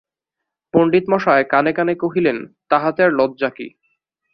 পণ্ডিতমহাশয় কানে কানে কহিলেন, তাহাতে আর লজ্জা কী!